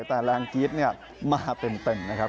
แต่แรงกรี๊ดมาเต็มนะครับ